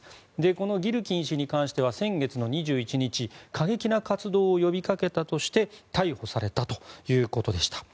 このギルキン氏に関しては先月２１日過激な活動を呼びかけたとして逮捕されたということでした。